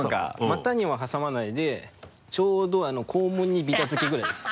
股には挟まないでちょうど肛門にビタ付けぐらいです。